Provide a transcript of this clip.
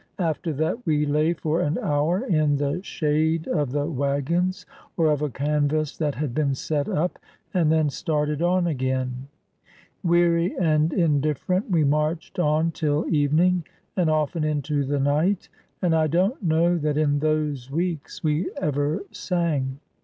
After that we lay for an hour in the shade of the wagons or of a canvas that had been set up, and then started on again. Weary and indifi"erent, we marched on till evening 466 IN THE SOUTH AFRICAN ARMY and often into the night, and I don't know that in those weeks we ever sang.